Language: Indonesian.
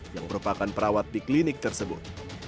yang merupakan perawat di klinik tersebut